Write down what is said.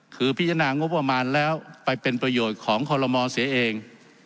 คือพิจารณางบประมาณแล้วไปเป็นประโยชน์ของคอลโลมอเสียเอง